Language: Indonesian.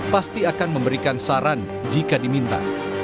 pasti akan memberikan saran jika diminta